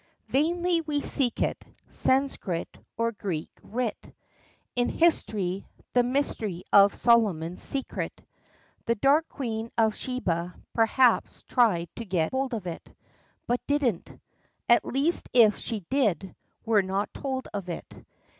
Vainly we seek it, Sanscrit or Greek writ In hist'ry, the myst'ry of Solomon's secret: The dark queen of Sheba p'raps tried to get hold of it, But didn't; at least if she did, we're not told of it.